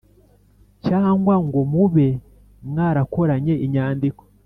cyangwa ngo mube mwarakoranye inyandiko?